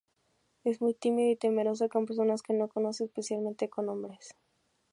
Es muy tímida y temerosa con personas que no conoce, especialmente con hombres.